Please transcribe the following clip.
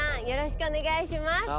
よろしくお願いします。